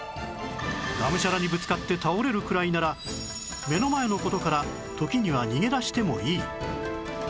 がむしゃらにぶつかって倒れるくらいなら目の前の事から時には逃げ出してもいい